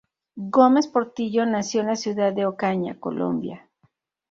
Gómez Portillo nació en la ciudad de Ocaña, Colombia.